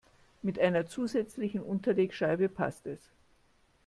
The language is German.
Mit einer zusätzlichen Unterlegscheibe passt es.